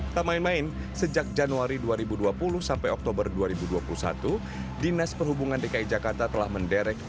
tak main main sejak januari dua ribu dua puluh sampai oktober dua ribu dua puluh satu dinas perhubungan dki jakarta telah menderek